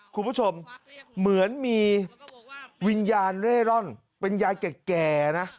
คุณผู้ชมเหมือนมีวิญญาณเร่ร่อนเป็นยายแก่นะ